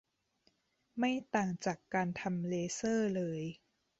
ไม่ต่างจากการทำเลเซอร์เลย